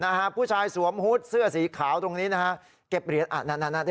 นะฮะผู้ชายสวมฮุดเสื้อสีขาวตรงนี้นะฮะเก็บเหรียญอ่ะนั่นน่ะดิ